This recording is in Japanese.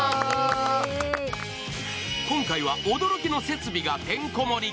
今回は驚きの設備がてんこ盛り。